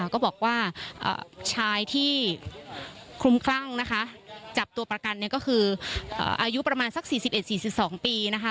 ก็บอกว่าชายที่คลุมคลั่งนะคะจับตัวประกันก็คืออายุประมาณสัก๔๑๔๒ปีนะคะ